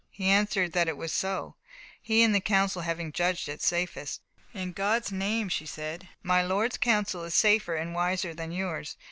He answered that it was so, he and the council having judged it safest. "In God's name," she said, "my Lord's counsel is safer and wiser than yours.